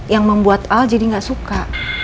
yang membuat al jadi nggak suka